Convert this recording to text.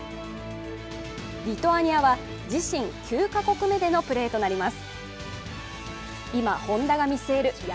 リトアニアは自身９か国目でのプレーとなります。